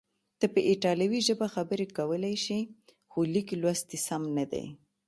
ته په ایټالوي ژبه خبرې کولای شې، خو لیک لوست دې سم نه دی.